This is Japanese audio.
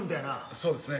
そうですね。